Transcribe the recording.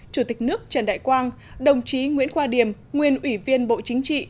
chủ tịch nước trần đại quang đồng chí nguyễn khoa điểm nguyên ủy viên bộ chính trị